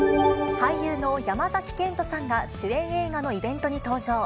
俳優の山崎賢人さんが主演映画のイベントに登場。